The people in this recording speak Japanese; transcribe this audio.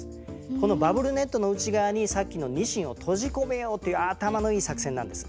このバブルネットの内側にさっきのニシンを閉じ込めようという頭のいい作戦なんです。